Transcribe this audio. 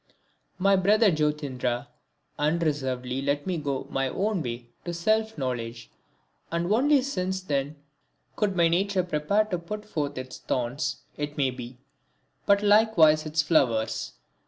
My brother Jyotirindra unreservedly let me go my own way to self knowledge, and only since then could my nature prepare to put forth its thorns, it may be, but likewise its flowers.